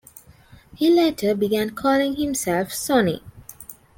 He later began calling himself "Sonny".